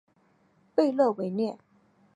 贝勒维涅。